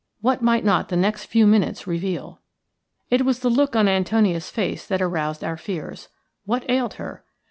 What might not the next few minutes reveal? It was the look on Antonia's face that aroused our fears. What ailed her?